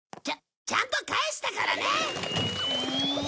ちゃちゃんと返したからね。